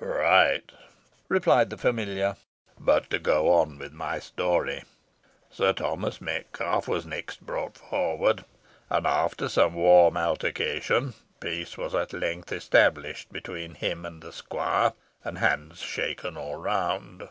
"Right!" replied the familiar; "but to go on with my story. Sir Thomas Metcalfe was next brought forward; and after some warm altercation, peace was at length established between him and the squire, and hands were shaken all round.